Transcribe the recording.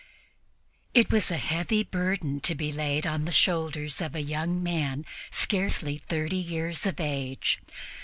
It was a heavy burden to be laid on the shoulders of a young man scarcely thirty years of age.